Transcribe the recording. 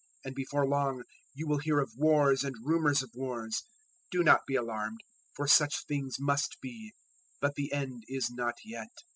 024:006 And before long you will hear of wars and rumours of wars. Do not be alarmed, for such things must be; but the End is not yet.